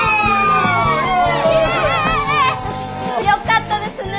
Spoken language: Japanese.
イエイ！よかったですね